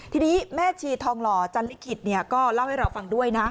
ทีนี้แม่ชีทองหล่อจันลิขิตก็เล่าให้เราฟังด้วยนะ